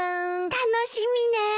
楽しみねえ。